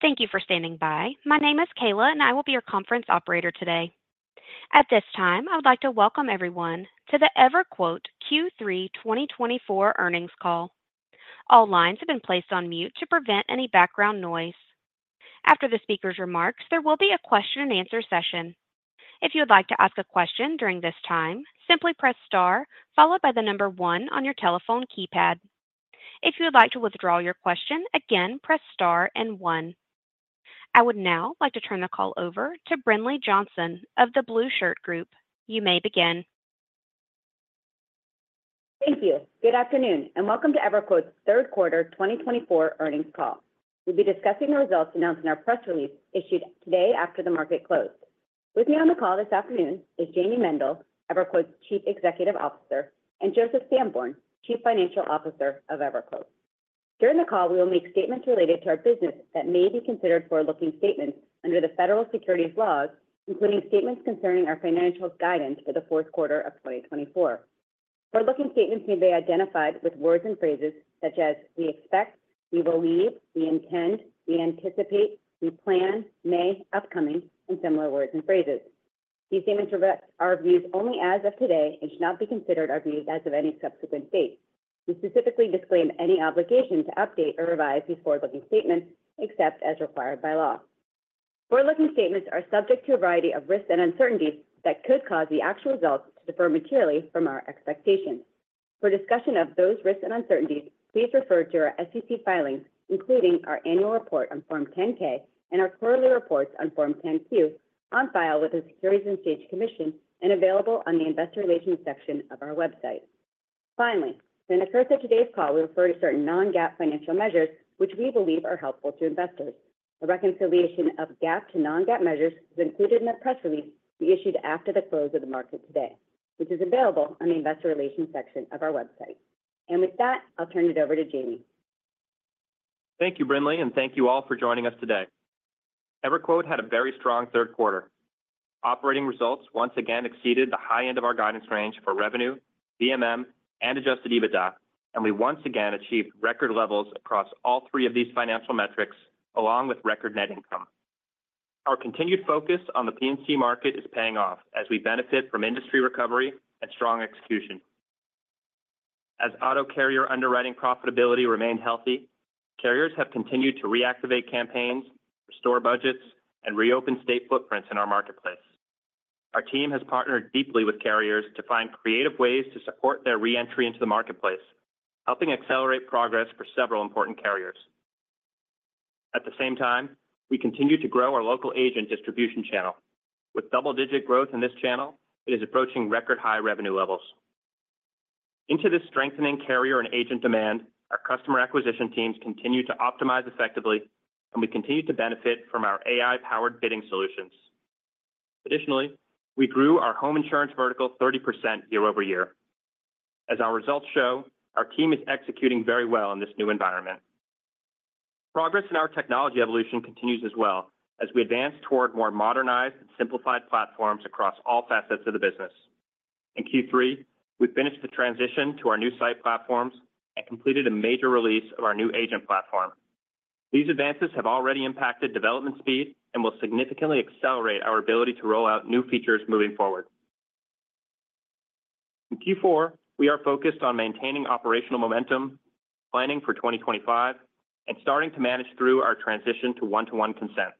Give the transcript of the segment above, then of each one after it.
Thank you for standing by. My name is Kayla, and I will be your conference operator today. At this time, I would like to welcome everyone to the EverQuote Q3 2024 earnings call. All lines have been placed on mute to prevent any background noise. After the speaker's remarks, there will be a question-and-answer session. If you would like to ask a question during this time, simply press star, followed by the number one on your telephone keypad. If you would like to withdraw your question, again, press star and one. I would now like to turn the call over to Brinlea Johnson of the Blueshirt Group. You may begin. Thank you. Good afternoon, and welcome to EverQuote's third quarter 2024 earnings call. We'll be discussing the results announced in our press release issued today after the market closed. With me on the call this afternoon is Jayme Mendal, EverQuote's Chief Executive Officer, and Joseph Sanborn, Chief Financial Officer of EverQuote. During the call, we will make statements related to our business that may be considered forward-looking statements under the federal securities laws, including statements concerning our financial guidance for the fourth quarter of 2024. Forward-looking statements may be identified with words and phrases such as, "We expect," "We believe," "We intend," "We anticipate," "We plan," "May," "Upcoming," and similar words and phrases. These statements are viewed only as of today and should not be considered our views as of any subsequent date. We specifically disclaim any obligation to update or revise these forward-looking statements except as required by law. Forward-looking statements are subject to a variety of risks and uncertainties that could cause the actual results to differ materially from our expectations. For discussion of those risks and uncertainties, please refer to our SEC filings, including our annual report on Form 10-K and our quarterly reports on Form 10-Q, on file with the Securities and Exchange Commission and available on the investor relations section of our website. Finally, during the course of today's call, we refer to certain non-GAAP financial measures, which we believe are helpful to investors. A reconciliation of GAAP to non-GAAP measures is included in the press release we issued after the close of the market today, which is available on the investor relations section of our website. And with that, I'll turn it over to Jayme. Thank you, Brinlea, and thank you all for joining us today. EverQuote had a very strong third quarter. Operating results once again exceeded the high end of our guidance range for revenue, VMM, and adjusted EBITDA, and we once again achieved record levels across all three of these financial metrics, along with record net income. Our continued focus on the P&C market is paying off as we benefit from industry recovery and strong execution. As auto carrier underwriting profitability remained healthy, carriers have continued to reactivate campaigns, restore budgets, and reopen state footprints in our marketplace. Our team has partnered deeply with carriers to find creative ways to support their re-entry into the marketplace, helping accelerate progress for several important carriers. At the same time, we continue to grow our local agent distribution channel. With double-digit growth in this channel, it is approaching record-high revenue levels. Into this strengthening carrier and agent demand, our customer acquisition teams continue to optimize effectively, and we continue to benefit from our AI-powered bidding solutions. Additionally, we grew our home insurance vertical 30% year-over-year. As our results show, our team is executing very well in this new environment. Progress in our technology evolution continues as well as we advance toward more modernized and simplified platforms across all facets of the business. In Q3, we finished the transition to our new site platforms and completed a major release of our new agent platform. These advances have already impacted development speed and will significantly accelerate our ability to roll out new features moving forward. In Q4, we are focused on maintaining operational momentum, planning for 2025, and starting to manage through our transition to one-to-one consent.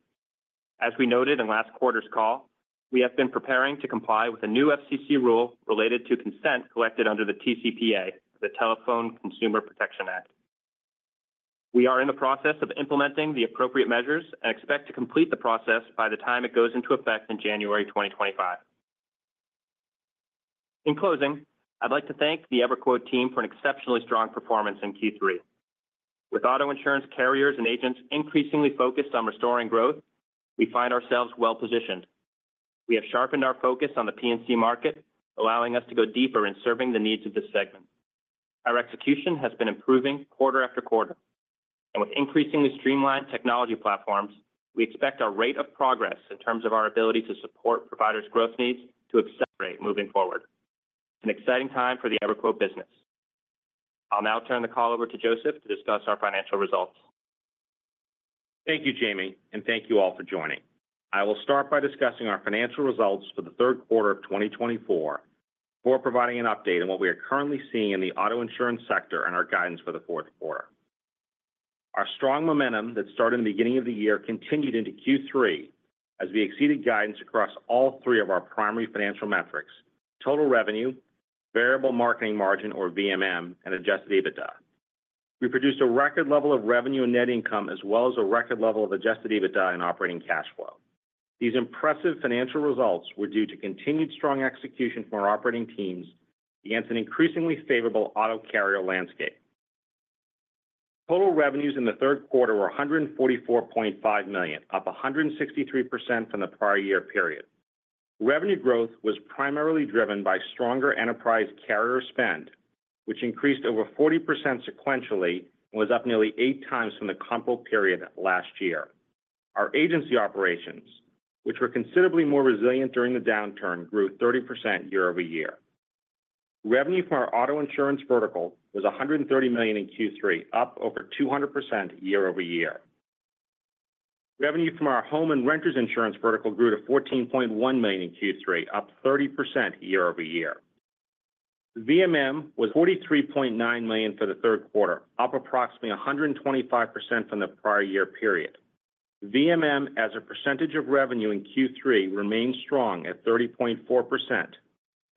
As we noted in last quarter's call, we have been preparing to comply with a new FCC rule related to consent collected under the TCPA, the Telephone Consumer Protection Act. We are in the process of implementing the appropriate measures and expect to complete the process by the time it goes into effect in January 2025. In closing, I'd like to thank the EverQuote team for an exceptionally strong performance in Q3. With auto insurance carriers and agents increasingly focused on restoring growth, we find ourselves well-positioned. We have sharpened our focus on the P&C market, allowing us to go deeper in serving the needs of this segment. Our execution has been improving quarter-after-quarter, and with increasingly streamlined technology platforms, we expect our rate of progress in terms of our ability to support providers' growth needs to accelerate moving forward. It's an exciting time for the EverQuote business. I'll now turn the call over to Joseph to discuss our financial results. Thank you, Jayme, and thank you all for joining. I will start by discussing our financial results for the third quarter of 2024, before providing an update on what we are currently seeing in the auto insurance sector and our guidance for the fourth quarter. Our strong momentum that started in the beginning of the year continued into Q3 as we exceeded guidance across all three of our primary financial metrics: total revenue, variable marketing margin, or VMM, and adjusted EBITDA. We produced a record level of revenue and net income, as well as a record level of adjusted EBITDA and operating cash flow. These impressive financial results were due to continued strong execution from our operating teams against an increasingly favorable auto carrier landscape. Total revenues in the third quarter were $144.5 million, up 163% from the prior year period. Revenue growth was primarily driven by stronger enterprise carrier spend, which increased over 40% sequentially and was up nearly eight times from the comparable period last year. Our agency operations, which were considerably more resilient during the downturn, grew 30% year-over-year. Revenue from our auto insurance vertical was $130 million in Q3, up over 200% year-over-year. Revenue from our home and renters insurance vertical grew to $14.1 million in Q3, up 30% year-over-year. VMM was $43.9 million for the third quarter, up approximately 125% from the prior year period. VMM, as a percentage of revenue in Q3, remained strong at 30.4%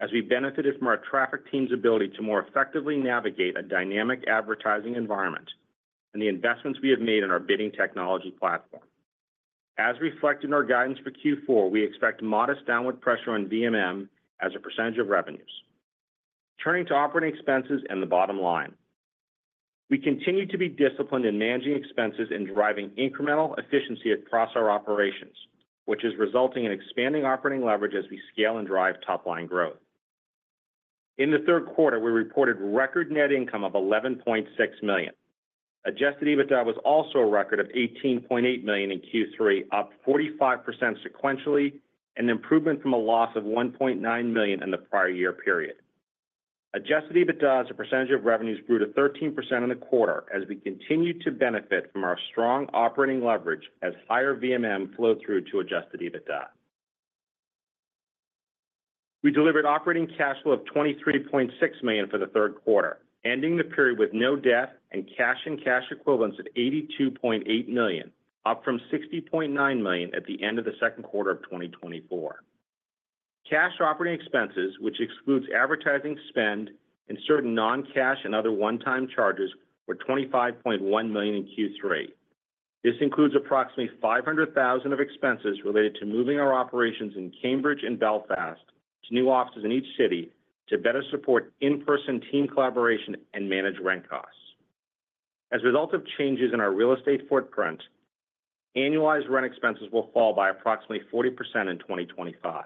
as we benefited from our traffic team's ability to more effectively navigate a dynamic advertising environment and the investments we have made in our bidding technology platform. As reflected in our guidance for Q4, we expect modest downward pressure on VMM as a percentage of revenues. Turning to operating expenses and the bottom line, we continue to be disciplined in managing expenses and driving incremental efficiency across our operations, which is resulting in expanding operating leverage as we scale and drive top-line growth. In the third quarter, we reported record net income of $11.6 million. Adjusted EBITDA was also a record of $18.8 million in Q3, up 45% sequentially, and an improvement from a loss of $1.9 million in the prior year period. Adjusted EBITDA as a percentage of revenues grew to 13% in the quarter as we continued to benefit from our strong operating leverage as higher VMM flowed through to adjusted EBITDA. We delivered operating cash flow of $23.6 million for the third quarter, ending the period with no debt and cash and cash equivalents of $82.8 million, up from $60.9 million at the end of the second quarter of 2024. Cash operating expenses, which excludes advertising spend and certain non-cash and other one-time charges, were $25.1 million in Q3. This includes approximately $500,000 of expenses related to moving our operations in Cambridge and Belfast to new offices in each city to better support in-person team collaboration and manage rent costs. As a result of changes in our real estate footprint, annualized rent expenses will fall by approximately 40% in 2025.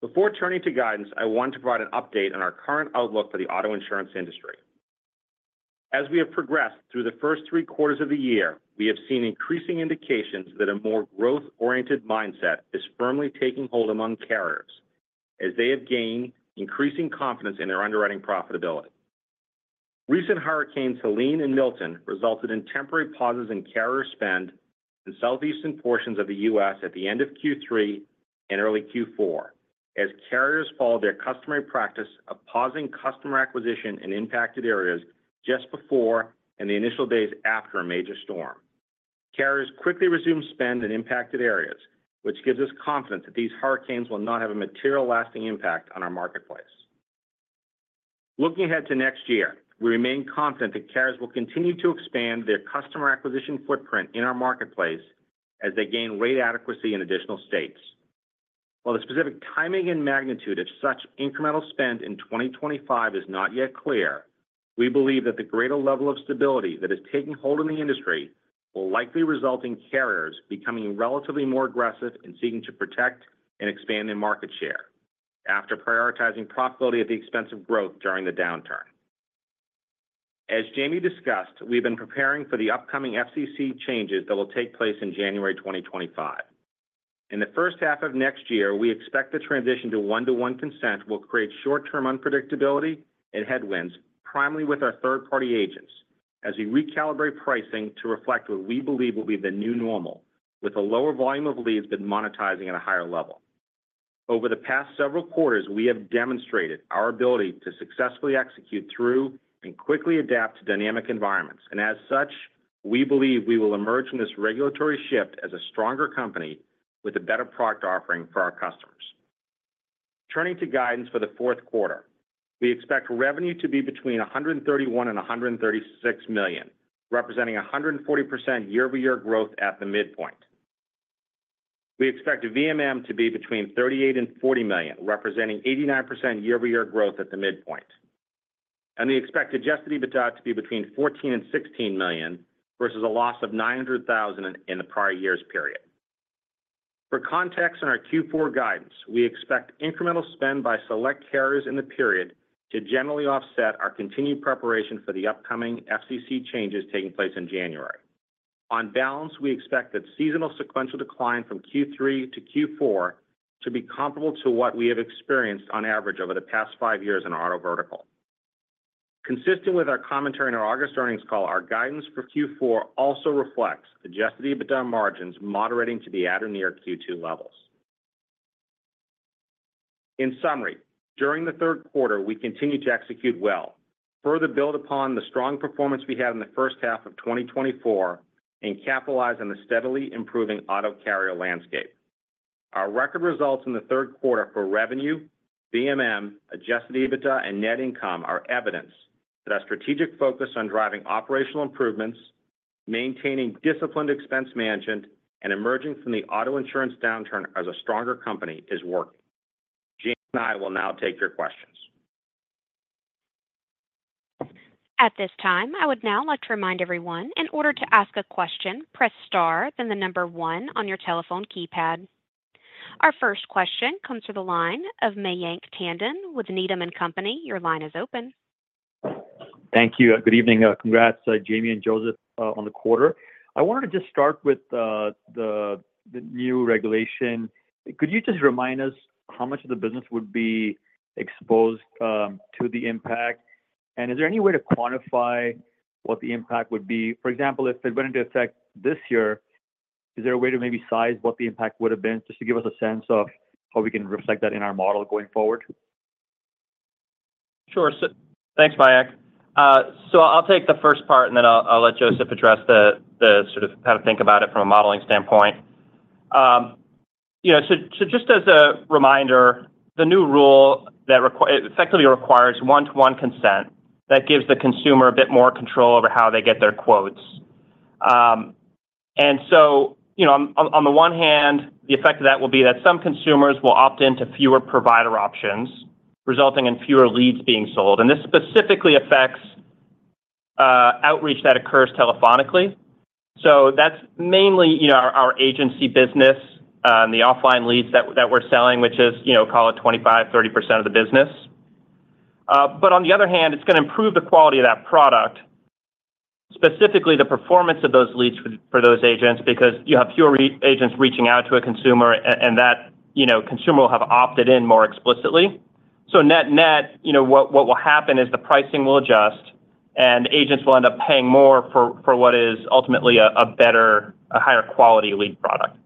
Before turning to guidance, I want to provide an update on our current outlook for the auto insurance industry. As we have progressed through the first three quarters of the year, we have seen increasing indications that a more growth-oriented mindset is firmly taking hold among carriers as they have gained increasing confidence in their underwriting profitability. Recent hurricanes Helene and Milton resulted in temporary pauses in carrier spend in southeastern portions of the U.S. at the end of Q3 and early Q4, as carriers followed their customary practice of pausing customer acquisition in impacted areas just before and the initial days after a major storm. Carriers quickly resumed spend in impacted areas, which gives us confidence that these hurricanes will not have a material lasting impact on our marketplace. Looking ahead to next year, we remain confident that carriers will continue to expand their customer acquisition footprint in our marketplace as they gain rate adequacy in additional states. While the specific timing and magnitude of such incremental spend in 2025 is not yet clear, we believe that the greater level of stability that is taking hold in the industry will likely result in carriers becoming relatively more aggressive in seeking to protect and expand their market share after prioritizing profitability at the expense of growth during the downturn. As Jayme discussed, we've been preparing for the upcoming FCC changes that will take place in January 2025. In the first half of next year, we expect the transition to one-to-one consent will create short-term unpredictability and headwinds, primarily with our third-party agents, as we recalibrate pricing to reflect what we believe will be the new normal, with a lower volume of leads than monetizing at a higher level. Over the past several quarters, we have demonstrated our ability to successfully execute through and quickly adapt to dynamic environments, and as such, we believe we will emerge from this regulatory shift as a stronger company with a better product offering for our customers. Turning to guidance for the fourth quarter, we expect revenue to be between $131 million-$136 million, representing 140% year-over-year growth at the midpoint. We expect VMM to be between $38 million-$40 million, representing 89% year-over-year growth at the midpoint, and we expect adjusted EBITDA to be between $14 million-$16 million versus a loss of $900,000 in the prior years period. For context in our Q4 guidance, we expect incremental spend by select carriers in the period to generally offset our continued preparation for the upcoming FCC changes taking place in January. On balance, we expect that seasonal sequential decline from Q3 to Q4 should be comparable to what we have experienced on average over the past five years in our auto vertical. Consistent with our commentary in our August earnings call, our guidance for Q4 also reflects adjusted EBITDA margins moderating to around Q2 levels. In summary, during the third quarter, we continue to execute well, further build upon the strong performance we had in the first half of 2024, and capitalize on the steadily improving auto carrier landscape. Our record results in the third quarter for revenue, VMM, adjusted EBITDA, and net income are evidence that our strategic focus on driving operational improvements, maintaining disciplined expense management, and emerging from the auto insurance downturn as a stronger company is working. Jayme and I will now take your questions. At this time, I would now like to remind everyone, in order to ask a question, press star, then the number one on your telephone keypad. Our first question comes from the line of Mayank Tandon with Needham & Company. Your line is open. Thank you. Good evening. Congrats, Jayme and Joseph, on the quarter. I wanted to just start with the new regulation. Could you just remind us how much of the business would be exposed to the impact, and is there any way to quantify what the impact would be? For example, if it went into effect this year, is there a way to maybe size what the impact would have been just to give us a sense of how we can reflect that in our model going forward? Sure. Thanks, Mayank. So I'll take the first part, and then I'll let Joseph address the sort of how to think about it from a modeling standpoint. So just as a reminder, the new rule effectively requires one-to-one consent that gives the consumer a bit more control over how they get their quotes. And so on the one hand, the effect of that will be that some consumers will opt into fewer provider options, resulting in fewer leads being sold. And this specifically affects outreach that occurs telephonically. So that's mainly our agency business, the offline leads that we're selling, which is, call it, 25%-30% of the business. But on the other hand, it's going to improve the quality of that product, specifically the performance of those leads for those agents because you have fewer agents reaching out to a consumer, and that consumer will have opted in more explicitly. So net-net, what will happen is the pricing will adjust, and agents will end up paying more for what is ultimately a better, a higher-quality lead product.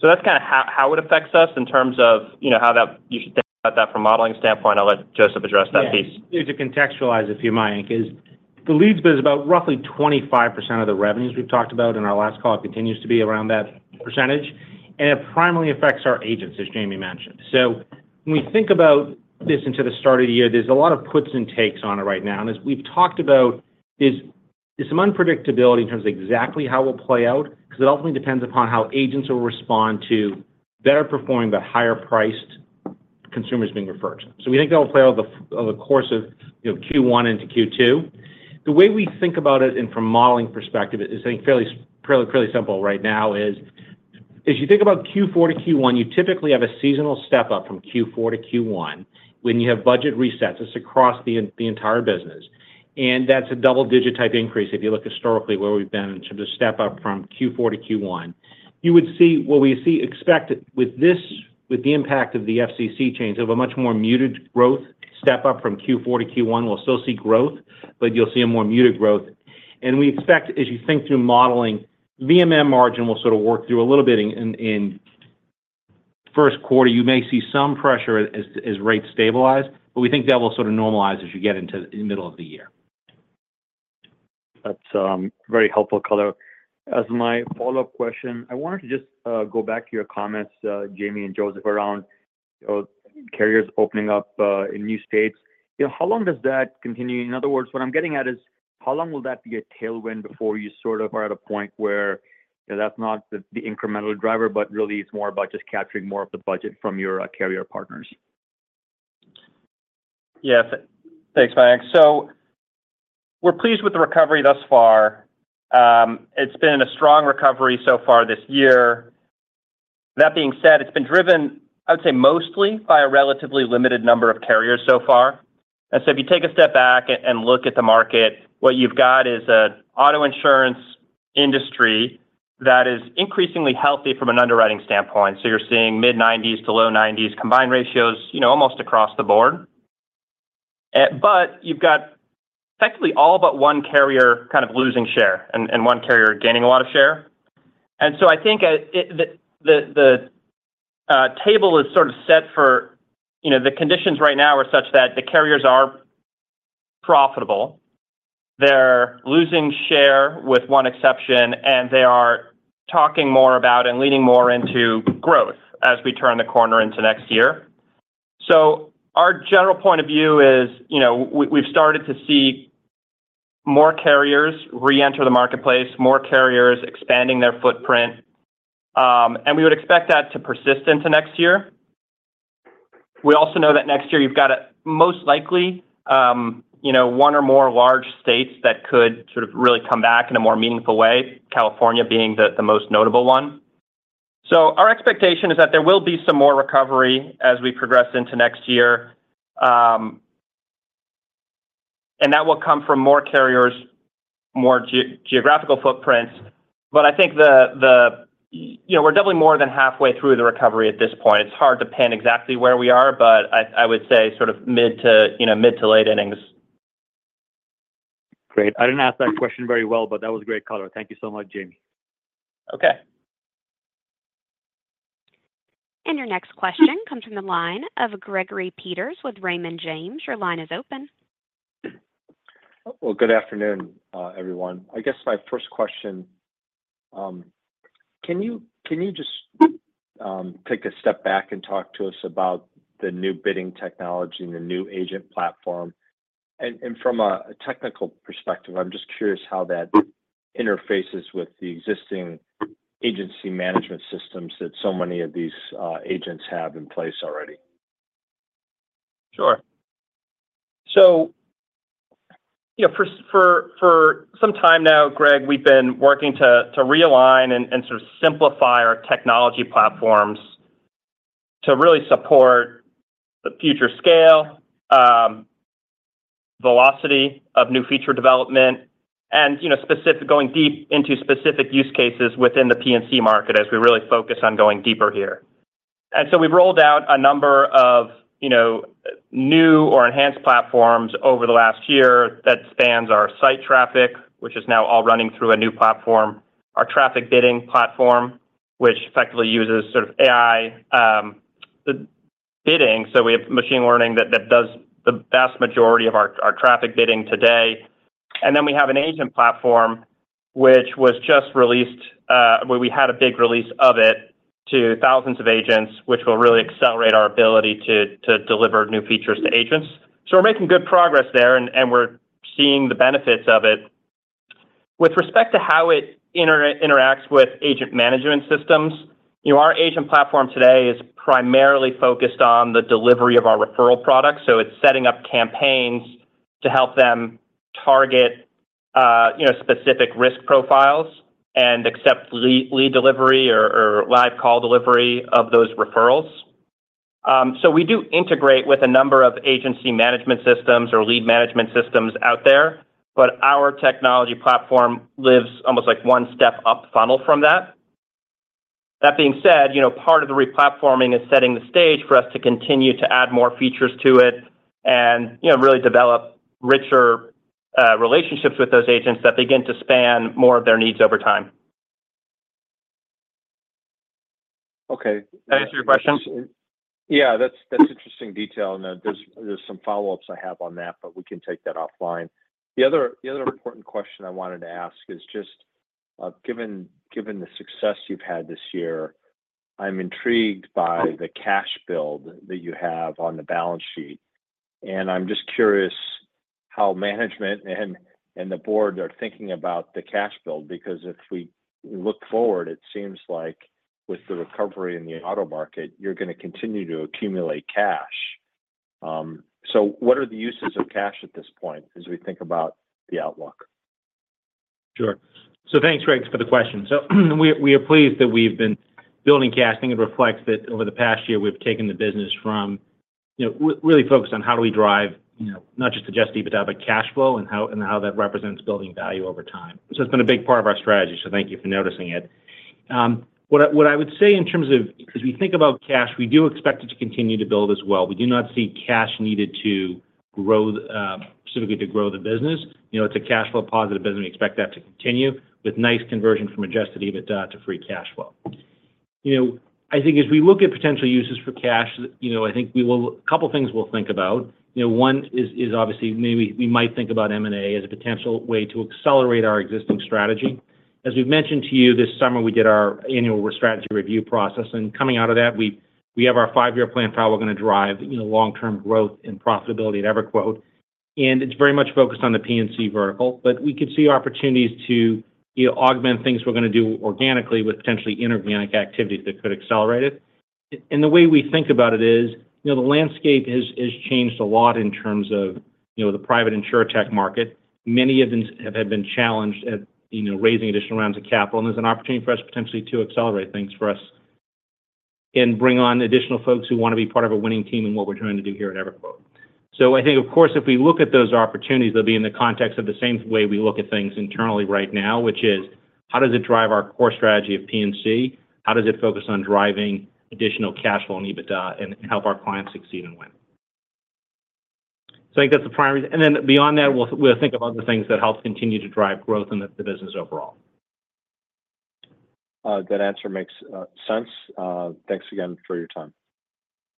So that's kind of how it affects us in terms of how you should think about that from a modeling standpoint. I'll let Joseph address that piece. Yeah. Just to contextualize, if you may, the leads is about roughly 25% of the revenues we've talked about in our last call. It continues to be around that percentage, and it primarily affects our agents, as Jayme mentioned. So when we think about this into the start of the year, there's a lot of puts and takes on it right now, and as we've talked about, there's some unpredictability in terms of exactly how it will play out because it ultimately depends upon how agents will respond to better-performing but higher-priced consumers being referred to, so we think that will play out over the course of Q1 into Q2. The way we think about it from a modeling perspective is, I think, fairly simple right now is, as you think about Q4 to Q1, you typically have a seasonal step-up from Q4 to Q1 when you have budget resets. It's across the entire business, and that's a double-digit-type increase if you look historically where we've been in terms of step-up from Q4 to Q1. You would see what we expect with the impact of the FCC change of a much more muted growth. Step-up from Q4 to Q1, we'll still see growth, but you'll see a more muted growth, and we expect, as you think through modeling, VMM margin will sort of work through a little bit in first quarter. You may see some pressure as rates stabilize, but we think that will sort of normalize as you get into the middle of the year. That's very helpful color. As my follow-up question, I wanted to just go back to your comments, Jayme and Joseph, around carriers opening up in new states. How long does that continue? In other words, what I'm getting at is, how long will that be a tailwind before you sort of are at a point where that's not the incremental driver, but really it's more about just capturing more of the budget from your carrier partners? Yes. Thanks, Mayank. So we're pleased with the recovery thus far. It's been a strong recovery so far this year. That being said, it's been driven, I would say, mostly by a relatively limited number of carriers so far. And so if you take a step back and look at the market, what you've got is an auto insurance industry that is increasingly healthy from an underwriting standpoint. So you're seeing mid-90s to low-90s combined ratios almost across the board. But you've got effectively all but one carrier kind of losing share and one carrier gaining a lot of share. And so I think the table is sort of set. The conditions right now are such that the carriers are profitable. They're losing share with one exception, and they are talking more about and leaning more into growth as we turn the corner into next year. So our general point of view is we've started to see more carriers re-enter the marketplace, more carriers expanding their footprint, and we would expect that to persist into next year. We also know that next year you've got most likely one or more large states that could sort of really come back in a more meaningful way, California being the most notable one. So our expectation is that there will be some more recovery as we progress into next year, and that will come from more carriers, more geographical footprints. But I think we're definitely more than halfway through the recovery at this point. It's hard to pin exactly where we are, but I would say sort of mid to late innings. Great. I didn't ask that question very well, but that was great color. Thank you so much, Jayme. Okay. And your next question comes from the line of Gregory Peters with Raymond James. Your line is open. Good afternoon, everyone. I guess my first question, can you just take a step back and talk to us about the new bidding technology and the new agent platform? From a technical perspective, I'm just curious how that interfaces with the existing agency management systems that so many of these agents have in place already. Sure. So for some time now, Greg, we've been working to realign and sort of simplify our technology platforms to really support the future scale, velocity of new feature development, and going deep into specific use cases within the P&C market as we really focus on going deeper here. And so we've rolled out a number of new or enhanced platforms over the last year that spans our site traffic, which is now all running through a new platform, our traffic bidding platform, which effectively uses sort of AI bidding. So we have machine learning that does the vast majority of our traffic bidding today. And then we have an agent platform, which was just released where we had a big release of it to thousands of agents, which will really accelerate our ability to deliver new features to agents. So we're making good progress there, and we're seeing the benefits of it. With respect to how it interacts with agent management systems, our agent platform today is primarily focused on the delivery of our referral products. So it's setting up campaigns to help them target specific risk profiles and accept lead delivery or live call delivery of those referrals. So we do integrate with a number of agency management systems or lead management systems out there, but our technology platform lives almost like one step up funnel from that. That being said, part of the replatforming is setting the stage for us to continue to add more features to it and really develop richer relationships with those agents that begin to span more of their needs over time. Okay. That answers your question? Yeah. That's interesting detail. There's some follow-ups I have on that, but we can take that offline. The other important question I wanted to ask is just, given the success you've had this year, I'm intrigued by the cash build that you have on the balance sheet, and I'm just curious how management and the board are thinking about the cash build because if we look forward, it seems like with the recovery in the auto market, you're going to continue to accumulate cash. So what are the uses of cash at this point as we think about the outlook? Sure. So thanks, Greg, for the question. So we are pleased that we've been building cash. I think it reflects that over the past year, we've taken the business from really focused on how do we drive not just adjusted EBITDA, but cash flow and how that represents building value over time. So it's been a big part of our strategy. So thank you for noticing it. What I would say in terms of, as we think about cash, we do expect it to continue to build as well. We do not see cash needed specifically to grow the business. It's a cash flow positive business. We expect that to continue with nice conversion from adjusted EBITDA to free cash flow. I think as we look at potential uses for cash, I think a couple of things we'll think about. One is obviously maybe we might think about M&A as a potential way to accelerate our existing strategy. As we've mentioned to you, this summer, we did our annual strategy review process. And coming out of that, we have our five-year plan for how we're going to drive long-term growth and profitability at EverQuote. And it's very much focused on the P&C vertical, but we could see opportunities to augment things we're going to do organically with potentially inorganic activities that could accelerate it. And the way we think about it is the landscape has changed a lot in terms of the private insurtech market. Many of them have been challenged at raising additional rounds of capital. And there's an opportunity for us potentially to accelerate things for us and bring on additional folks who want to be part of a winning team in what we're trying to do here at EverQuote. So I think, of course, if we look at those opportunities, they'll be in the context of the same way we look at things internally right now, which is, how does it drive our core strategy of P&C? How does it focus on driving additional cash flow and EBITDA and help our clients succeed and win? So I think that's the primary reason. And then beyond that, we'll think of other things that help continue to drive growth in the business overall. That answer makes sense. Thanks again for your time.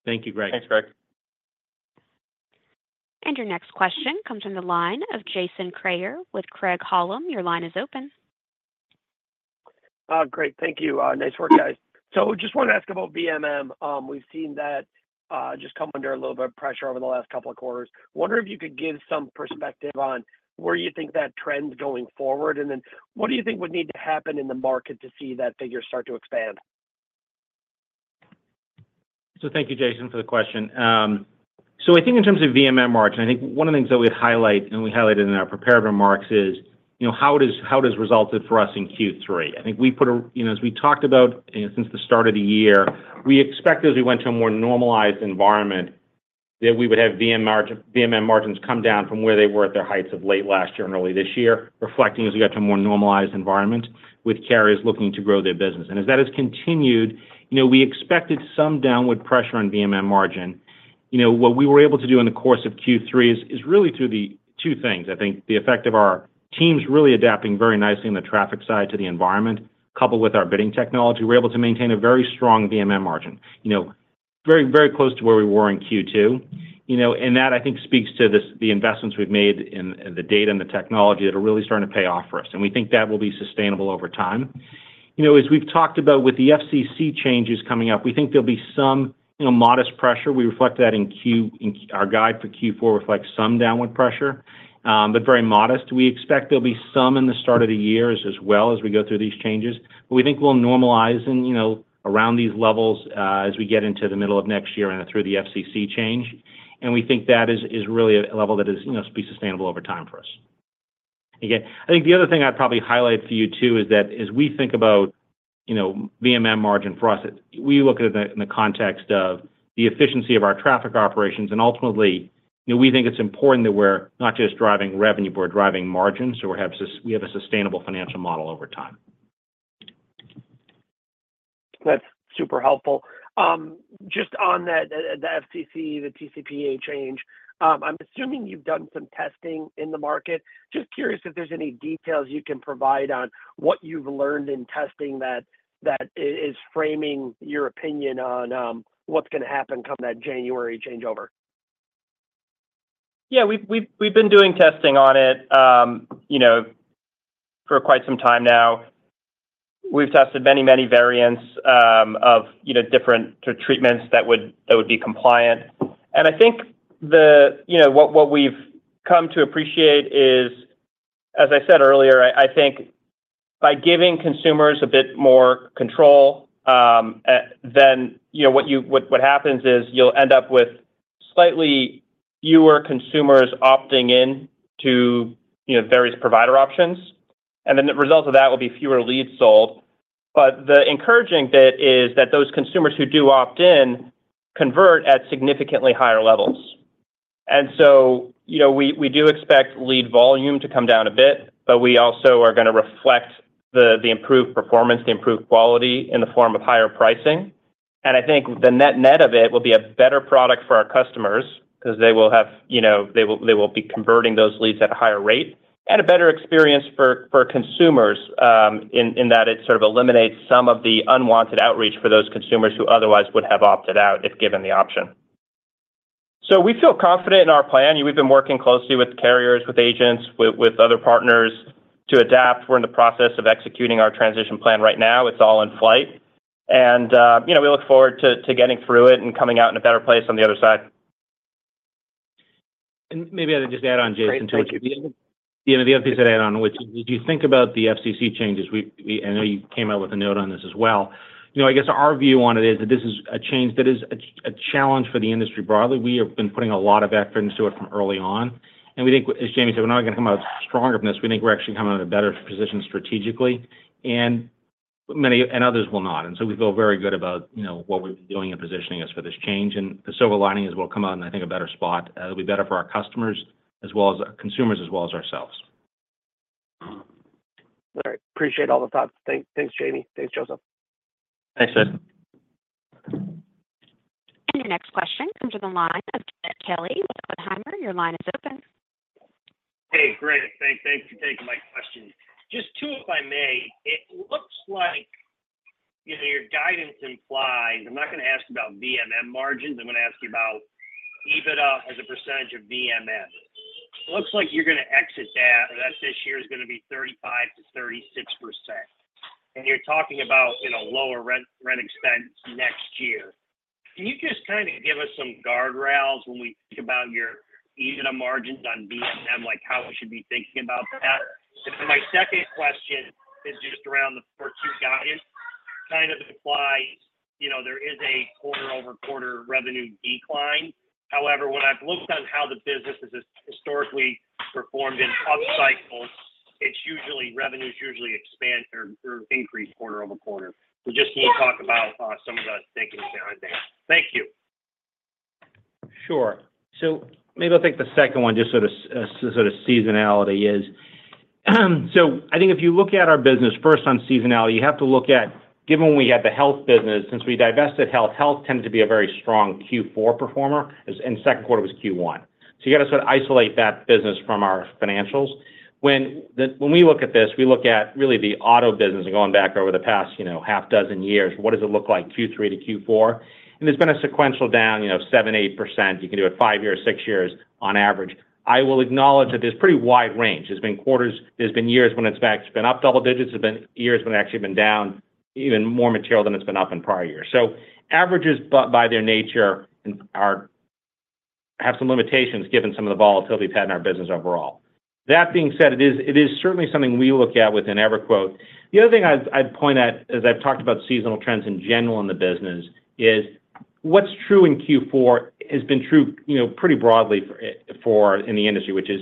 Thank you, Greg. Thanks, Greg. Your next question comes from the line of Jason Kreyer with Craig-Hallum. Your line is open. Great. Thank you. Nice work, guys. So just wanted to ask about VMM. We've seen that just come under a little bit of pressure over the last couple of quarters. Wonder if you could give some perspective on where you think that trend's going forward, and then what do you think would need to happen in the market to see that figure start to expand? Thank you, Jason, for the question. I think in terms of VMM margin, I think one of the things that we'd highlight, and we highlighted in our prepared remarks, is how it has resulted for us in Q3. I think we put a, as we talked about since the start of the year, we expect as we went to a more normalized environment that we would have VMM margins come down from where they were at their heights of late last year and early this year, reflecting as we got to a more normalized environment with carriers looking to grow their business. And as that has continued, we expected some downward pressure on VMM margin. What we were able to do in the course of Q3 is really through two things. I think the effect of our teams really adapting very nicely on the traffic side to the environment, coupled with our bidding technology, we're able to maintain a very strong VMM margin, very, very close to where we were in Q2. And that, I think, speaks to the investments we've made in the data and the technology that are really starting to pay off for us. And we think that will be sustainable over time. As we've talked about with the FCC changes coming up, we think there'll be some modest pressure. We reflect that in our guide for Q4 reflects some downward pressure, but very modest. We expect there'll be some in the start of the year as well as we go through these changes. But we think we'll normalize around these levels as we get into the middle of next year and through the FCC change. We think that is really a level that will be sustainable over time for us. Again, I think the other thing I'd probably highlight for you too is that as we think about VMM margin for us, we look at it in the context of the efficiency of our traffic operations. Ultimately, we think it's important that we're not just driving revenue, but we're driving margins so we have a sustainable financial model over time. That's super helpful. Just on the FCC, the TCPA change, I'm assuming you've done some testing in the market. Just curious if there's any details you can provide on what you've learned in testing that is framing your opinion on what's going to happen come that January changeover? Yeah. We've been doing testing on it for quite some time now. We've tested many, many variants of different treatments that would be compliant. And I think what we've come to appreciate is, as I said earlier, I think by giving consumers a bit more control, then what happens is you'll end up with slightly fewer consumers opting in to various provider options. And then the result of that will be fewer leads sold. But the encouraging bit is that those consumers who do opt in convert at significantly higher levels. And so we do expect lead volume to come down a bit, but we also are going to reflect the improved performance, the improved quality in the form of higher pricing. And I think the net of it will be a better product for our customers because they will be converting those leads at a higher rate and a better experience for consumers in that it sort of eliminates some of the unwanted outreach for those consumers who otherwise would have opted out if given the option. So we feel confident in our plan. We've been working closely with carriers, with agents, with other partners to adapt. We're in the process of executing our transition plan right now. It's all in flight. And we look forward to getting through it and coming out in a better place on the other side. Maybe I'll just add on, Jason. Go ahead. The other piece I'd add on, which is as you think about the FCC changes, I know you came out with a note on this as well. I guess our view on it is that this is a change that is a challenge for the industry broadly. We have been putting a lot of effort into it from early on. And we think, as Jayme said, we're not going to come out stronger from this. We think we're actually coming out in a better position strategically, and others will not. And so we feel very good about what we've been doing and positioning us for this change. And the silver lining is we'll come out in, I think, a better spot. It'll be better for our customers as well as consumers as well as ourselves. All right. Appreciate all the thoughts. Thanks, Jayme. Thanks, Joseph. Thanks, Jess. And your next question comes from the line of Jed Kelly with Oppenheimer. Your line is open. Hey, great thanks for taking my question. Just two, if I may. It looks like your guidance implies. I'm not going to ask about VMM margins. I'm going to ask you about EBITDA as a percentage of VMM. It looks like you're going to exit that, or that this year is going to be 35%-36%. And you're talking about lower rent expense next year. Can you just kind of give us some guardrails when we think about your EBITDA margins on VMM, like how we should be thinking about that? And then my second question is just around the Q4 guidance. It kind of implies there is a quarter-over-quarter revenue decline. However, when I've looked on how the business has historically performed in upcycles, it's usually revenues expand or increase quarter-over-quarter. We just need to talk about some of the thinking behind that. Thank you. Sure. So maybe I'll take the second one, just sort of seasonality is. So I think if you look at our business first on seasonality, you have to look at, given when we had the health business, since we divested health, health tended to be a very strong Q4 performer, and second quarter was Q1. So you got to sort of isolate that business from our financials. When we look at this, we look at really the auto business and going back over the past half dozen years, what does it look like Q3 to Q4? And there's been a sequential down 7%-8%. You can do it five years, six years on average. I will acknowledge that there's pretty wide range. There's been quarters, there's been years when it's been up double digits, there's been years when it's actually been down even more material than it's been up in prior years. So averages, by their nature, have some limitations given some of the volatility we've had in our business overall. That being said, it is certainly something we look at within EverQuote. The other thing I'd point at, as I've talked about seasonal trends in general in the business, is what's true in Q4 has been true pretty broadly in the industry, which is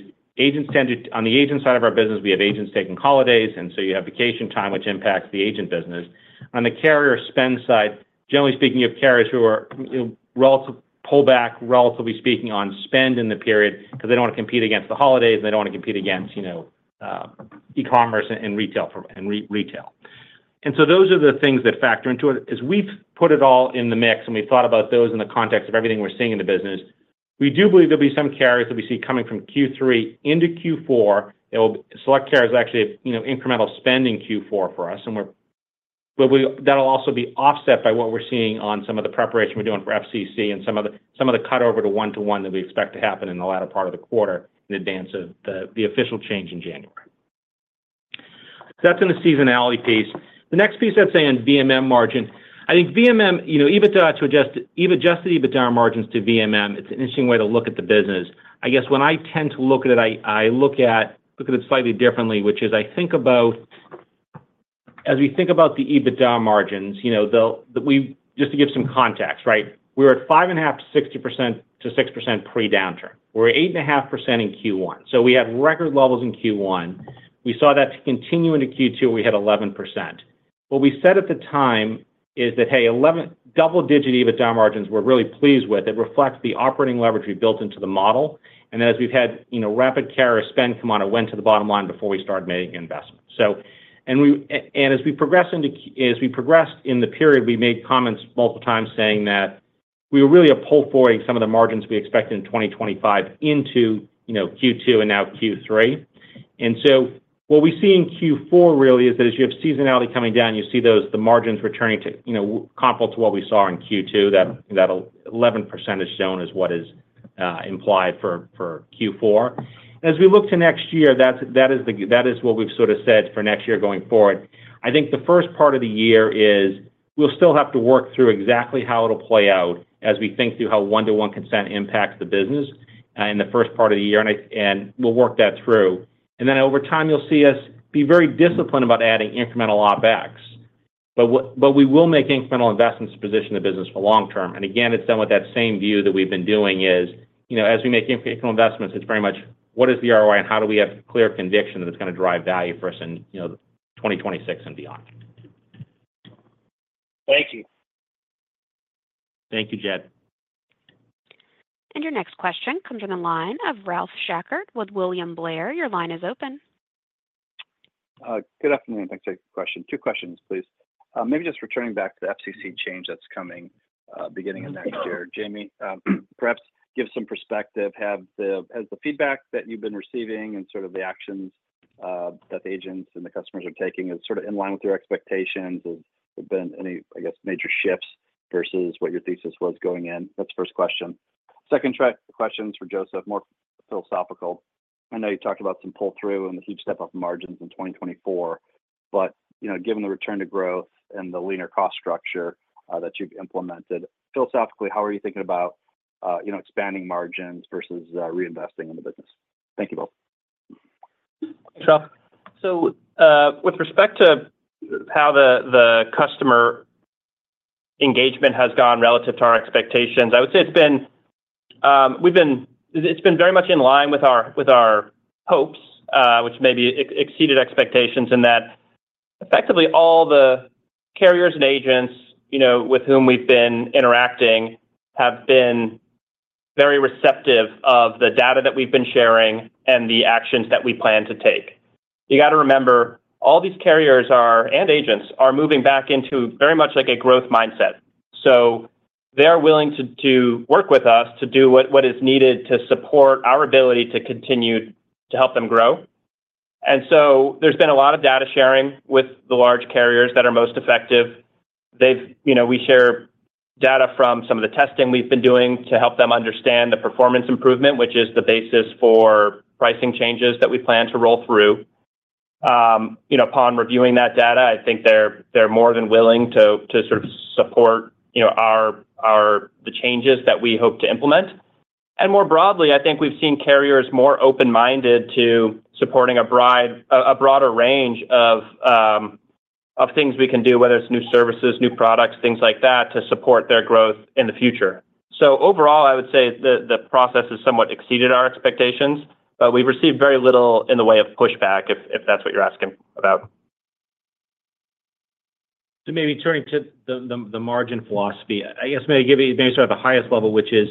on the agent side of our business, we have agents taking holidays, and so you have vacation time, which impacts the agent business. On the carrier spend side, generally speaking, you have carriers who are pulling back, relatively speaking, on spend in the period because they don't want to compete against the holidays, and they don't want to compete against e-commerce and retail, and so those are the things that factor into it. As we've put it all in the mix, and we've thought about those in the context of everything we're seeing in the business, we do believe there'll be some carriers that we see coming from Q3 into Q4. Select carriers will actually have incremental spend in Q4 for us. That'll also be offset by what we're seeing on some of the preparation we're doing for FCC and some of the cutover to one-to-one that we expect to happen in the latter part of the quarter in advance of the official change in January, so that's in the seasonality piece. The next piece I'd say on VMM margin, I think VMM, EBITDA to adjusted EBITDA margins to VMM, it's an interesting way to look at the business. I guess when I tend to look at it, I look at it slightly differently, which is I think about, as we think about the EBITDA margins, just to give some context, right? We were at 5.5%-6% pre-downturn. We were 8.5% in Q1. So we had record levels in Q1. We saw that continue into Q2, where we had 11%. What we said at the time is that, "Hey, double-digit EBITDA margins, we're really pleased with. It reflects the operating leverage we built into the model." And then as we've had rapid carrier spend come on, it went to the bottom line before we started making investments. As we progressed in the period, we made comments multiple times saying that we were really a pull forwarding some of the margins we expected in 2025 into Q2 and now Q3. And so what we see in Q4 really is that as you have seasonality coming down, you see the margins returning to complement what we saw in Q2. That 11% is shown as what is implied for Q4. As we look to next year, that is what we've sort of said for next year going forward. I think the first part of the year is we'll still have to work through exactly how it'll play out as we think through how one-to-one consent impacts the business in the first part of the year, and we'll work that through. And then over time, you'll see us be very disciplined about adding incremental OpEx.But we will make incremental investments to position the business for long-term. And again, it's done with that same view that we've been doing is as we make incremental investments, it's very much, what is the ROI, and how do we have clear conviction that it's going to drive value for us in 2026 and beyond. Thank you. Thank you, Jed. Your next question comes from the line of Ralph Schackart with William Blair. Your line is open. Good afternoon. Thanks for your question. Two questions, please. Maybe just returning back to the FCC change that's coming beginning in next year, Jayme. Perhaps give some perspective. Has the feedback that you've been receiving and sort of the actions that the agents and the customers are taking is sort of in line with your expectations? Has there been any, I guess, major shifts versus what your thesis was going in? That's the first question. Second question is for Joseph, more philosophical. I know you talked about some pull-through and the huge step-up in margins in 2024, but given the return to growth and the leaner cost structure that you've implemented, philosophically, how are you thinking about expanding margins versus reinvesting in the business? Thank you both. Sure. So with respect to how the customer engagement has gone relative to our expectations, I would say we've been very much in line with our hopes, which maybe exceeded expectations in that effectively all the carriers and agents with whom we've been interacting have been very receptive of the data that we've been sharing and the actions that we plan to take. You got to remember all these carriers and agents are moving back into very much like a growth mindset. So they're willing to work with us to do what is needed to support our ability to continue to help them grow. And so there's been a lot of data sharing with the large carriers that are most effective. We share data from some of the testing we've been doing to help them understand the performance improvement, which is the basis for pricing changes that we plan to roll through. Upon reviewing that data, I think they're more than willing to sort of support the changes that we hope to implement, and more broadly, I think we've seen carriers more open-minded to supporting a broader range of things we can do, whether it's new services, new products, things like that, to support their growth in the future, so overall, I would say the process has somewhat exceeded our expectations, but we've received very little in the way of pushback, if that's what you're asking about. So, maybe turning to the margin philosophy, I guess maybe sort of the highest level, which is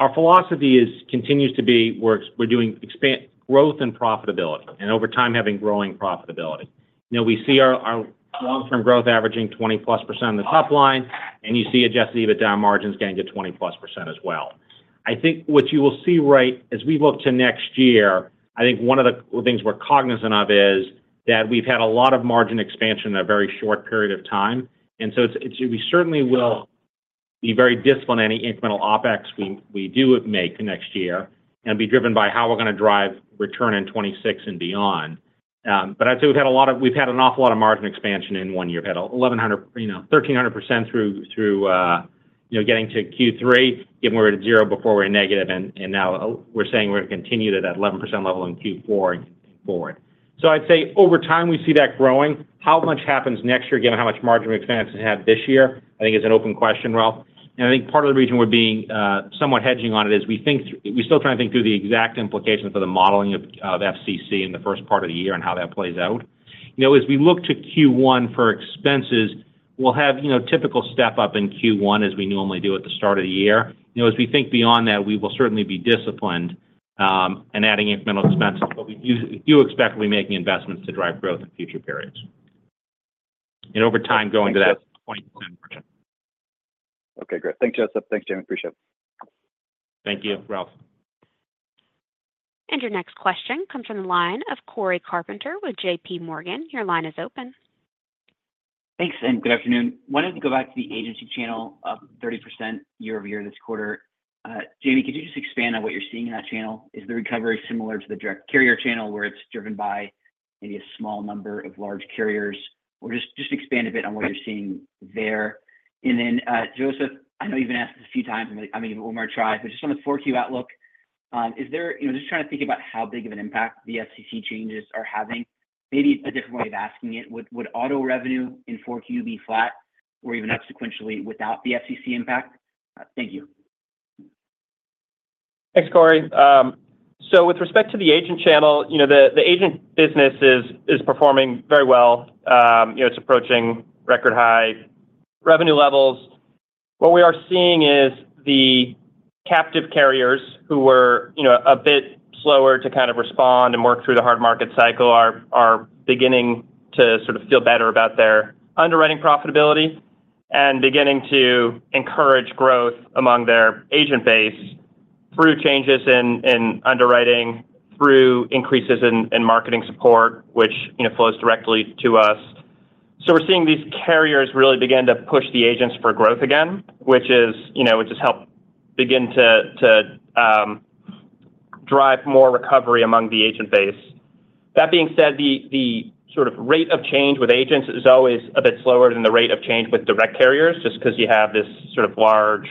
our philosophy continues to be we're doing growth and profitability, and over time having growing profitability. We see our long-term growth averaging 20-plus percentage on the top line, and you see adjusted EBITDA margins getting to 20-plus percentage as well. I think what you will see right as we look to next year, I think one of the things we're cognizant of is that we've had a lot of margin expansion in a very short period of time. And so we certainly will be very disciplined on any incremental OpEx we do make next year, and it'll be driven by how we're going to drive return in 2026 and beyond. But I'd say we've had an awful lot of margin expansion in one year. We've had 1,300% through getting to Q3, given we were at zero before we were negative, and now we're saying we're going to continue to that 11% level in Q4 and forward. So I'd say over time, we see that growing. How much happens next year, given how much margin we've expanded to have this year, I think is an open question, Ralph. And I think part of the reason we're being somewhat hedging on it is we're still trying to think through the exact implications for the modeling of FCC in the first part of the year and how that plays out. As we look to Q1 for expenses, we'll have a typical step-up in Q1 as we normally do at the start of the year. As we think beyond that, we will certainly be disciplined in adding incremental expenses, but we do expect to be making investments to drive growth in future periods. And over time, going to that 20% margin. Okay. Great. Thanks, Joseph. Thanks, Jayme. Appreciate it. Thank you, Ralph. And your next question comes from the line of Cory Carpenter with J.P. Morgan. Your line is open. Thanks, and good afternoon. Wanted to go back to the agency channel of 30% year-over-year this quarter. Jayme, could you just expand on what you're seeing in that channel? Is the recovery similar to the direct carrier channel where it's driven by maybe a small number of large carriers? Or just expand a bit on what you're seeing there. And then, Joseph, I know you've been asked this a few times. I mean, you've one more try, but just on the Q4 outlook, is there just trying to think about how big of an impact the FCC changes are having? Maybe a different way of asking it. Would auto revenue in Q4 be flat or even up sequentially without the FCC impact? Thank you. Thanks, Corey. So with respect to the agent channel, the agent business is performing very well. It's approaching record high revenue levels. What we are seeing is the captive carriers who were a bit slower to kind of respond and work through the hard market cycle are beginning to sort of feel better about their underwriting profitability and beginning to encourage growth among their agent base through changes in underwriting, through increases in marketing support, which flows directly to us. So we're seeing these carriers really begin to push the agents for growth again, which is it just helps begin to drive more recovery among the agent base. That being said, the sort of rate of change with agents is always a bit slower than the rate of change with direct carriers, just because you have this sort of large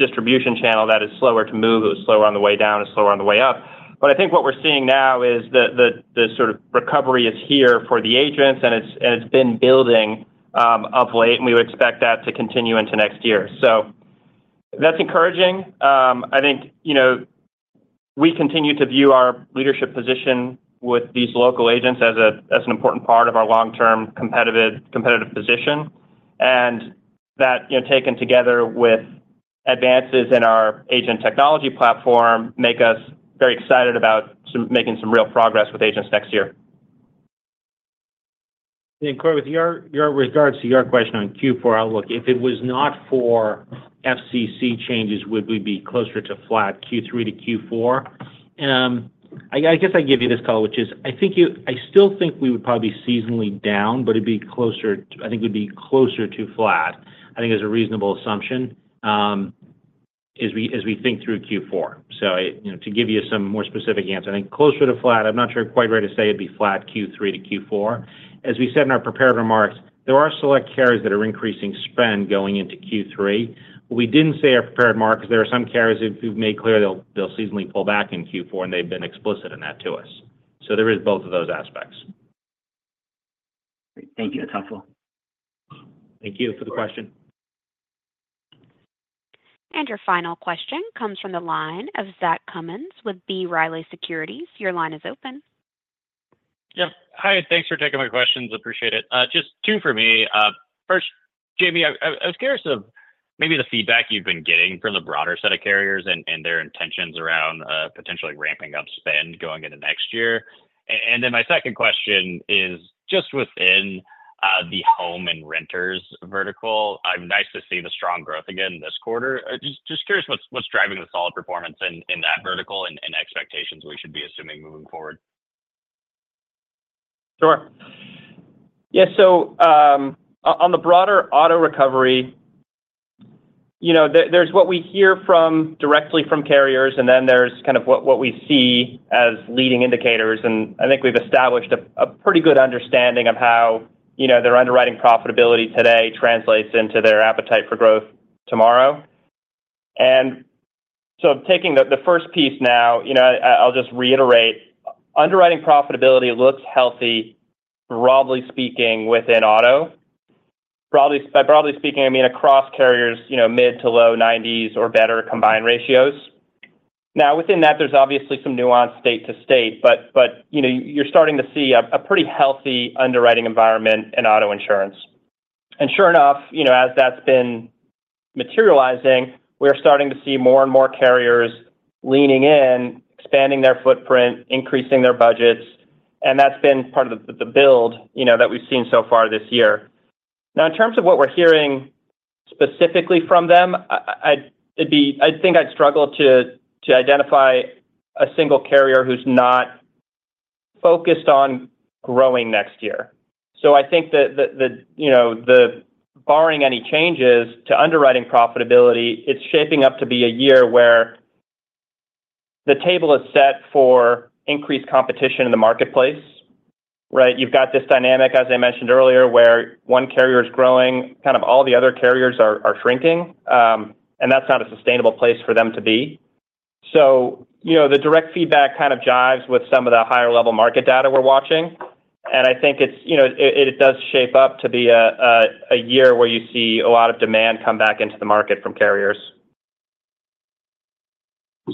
distribution channel that is slower to move. It was slower on the way down, it's slower on the way up. But I think what we're seeing now is the sort of recovery is here for the agents, and it's been building of late, and we would expect that to continue into next year. So that's encouraging. I think we continue to view our leadership position with these local agents as an important part of our long-term competitive position. And that, taken together with advances in our agent technology platform, makes us very excited about making some real progress with agents next year. Corey, with regards to your question on Q4 outlook, if it was not for FCC changes, would we be closer to flat Q3 to Q4? I guess I'd call it, which is I still think we would probably be seasonally down, but I think we'd be closer to flat. I think it's a reasonable assumption as we think through Q4. To give you some more specific answer, I think closer to flat. I'm not sure quite where to say it'd be flat Q3 to Q4. As we said in our prepared remarks, there are select carriers that are increasing spend going into Q3. We didn't say in our prepared remarks because there are some carriers who've made clear they'll seasonally pull back in Q4, and they've been explicit in that to us. There are both of those aspects. Great. Thank you. That's helpful. Thank you for the question. And your final question comes from the line of Zach Cummins with B. Riley Securities. Your line is open. Yeah. Hi. Thanks for taking my questions. Appreciate it. Just two for me. First, Jayme, I was curious of maybe the feedback you've been getting from the broader set of carriers and their intentions around potentially ramping up spend going into next year. And then my second question is just within the home and renters vertical, it'd be nice to see the strong growth again this quarter. Just curious what's driving the solid performance in that vertical and expectations we should be assuming moving forward. Sure. Yeah. So on the broader auto recovery, there's what we hear directly from carriers, and then there's kind of what we see as leading indicators. And I think we've established a pretty good understanding of how their underwriting profitability today translates into their appetite for growth tomorrow. And so taking the first piece now, I'll just reiterate. Underwriting profitability looks healthy, broadly speaking, within auto. By broadly speaking, I mean across carriers, mid to low 90s or better combined ratios. Now, within that, there's obviously some nuance, state to state, but you're starting to see a pretty healthy underwriting environment in auto insurance. And sure enough, as that's been materializing, we're starting to see more and more carriers leaning in, expanding their footprint, increasing their budgets. And that's been part of the build that we've seen so far this year. Now, in terms of what we're hearing specifically from them, I'd think I'd struggle to identify a single carrier who's not focused on growing next year. So I think that the barring any changes to underwriting profitability, it's shaping up to be a year where the table is set for increased competition in the marketplace. Right? You've got this dynamic, as I mentioned earlier, where one carrier is growing, kind of all the other carriers are shrinking, and that's not a sustainable place for them to be. So the direct feedback kind of jives with some of the higher-level market data we're watching. And I think it does shape up to be a year where you see a lot of demand come back into the market from carriers.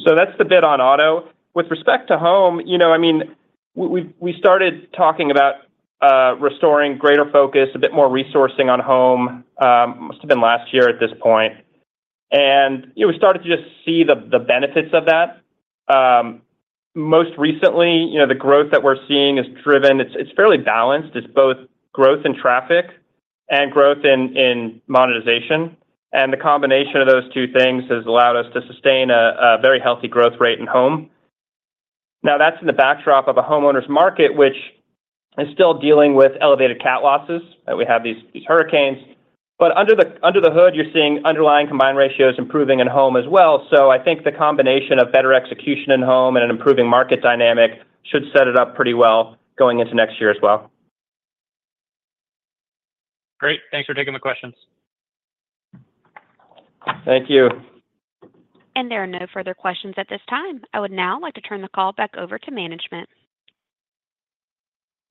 So that's the bit on auto. With respect to home, I mean, we started talking about restoring greater focus, a bit more resourcing on home. It must have been last year at this point, and we started to just see the benefits of that. Most recently, the growth that we're seeing is driven, it's fairly balanced. It's both growth in traffic and growth in monetization, and the combination of those two things has allowed us to sustain a very healthy growth rate in home. Now, that's in the backdrop of a homeowner's market, which is still dealing with elevated CAT losses. We have these hurricanes, but under the hood, you're seeing underlying combined ratios improving in home as well. So I think the combination of better execution in home and an improving market dynamic should set it up pretty well going into next year as well. Great. Thanks for taking the questions. Thank you. There are no further questions at this time. I would now like to turn the call back over to management.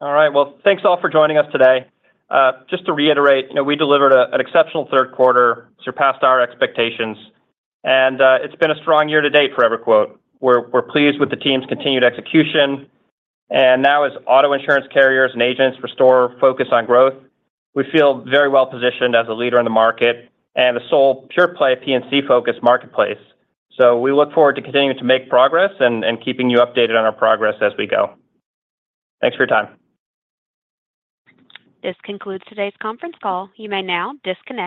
All right. Well, thanks all for joining us today. Just to reiterate, we delivered an exceptional third quarter, surpassed our expectations, and it's been a strong year to date for EverQuote. We're pleased with the team's continued execution. And now, as auto insurance carriers and agents restore focus on growth, we feel very well positioned as a leader in the market and a sole pure-play P&C-focused marketplace. So we look forward to continuing to make progress and keeping you updated on our progress as we go. Thanks for your time. This concludes today's conference call. You may now disconnect.